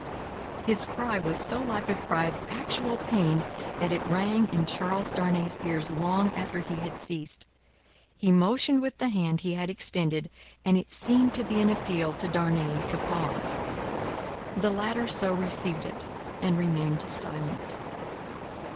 His cry was so like a cry of actual pain, that it rang in Charles Darnay's ears long after he had ceased. He motioned with the hand he had extended, and it seemed to be an appeal to Darnay to pause. The latter so received it, and remained silent.